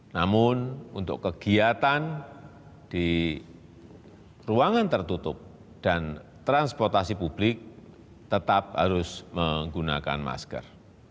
namun untuk kegiatan di ruangan tertutup dan transportasi publik tetap harus menggunakan masker